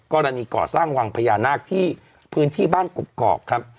กรณีก่อสร้างวังพญานาคที่พื้นที่บ้านกกอกครับ